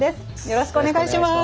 よろしくお願いします。